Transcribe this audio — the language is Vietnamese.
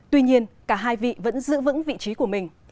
tuy nhiên cả hai vị vẫn giữ vững vị trí của mình